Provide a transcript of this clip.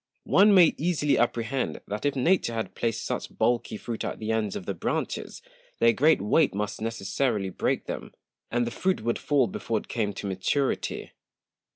One may easily apprehend, that if Nature had placed such bulky Fruit at the Ends of the Branches, their great Weight must necessarily break them, and the Fruit would fall before it came to Maturity.